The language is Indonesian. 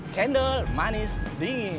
cendol manis dingin